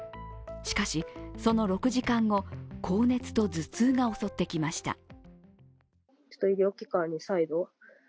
しかし、その６時間後、高熱と頭痛が襲ってきました。